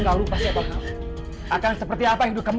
gak akan aku lepasin aku